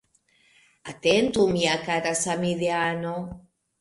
Atentu mia kara samideano.